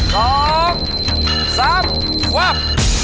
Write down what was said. ควบ